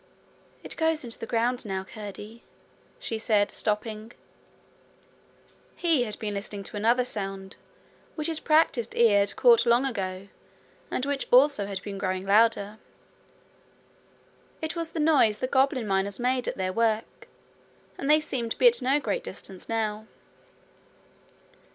'It goes into the ground now, Curdie,' she said, stopping. He had been listening to another sound, which his practised ear had caught long ago, and which also had been growing louder. It was the noise the goblin miners made at their work, and they seemed to be at no great distance now.